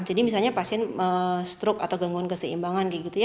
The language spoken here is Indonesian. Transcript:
jadi misalnya pasien stroke atau gangguan keseimbangan